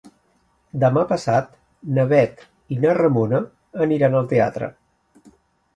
Demà passat na Bet i na Ramona aniran al teatre.